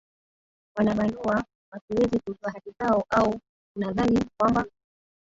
wana banua wasiwezi kujua haki zao au unadhani kwamba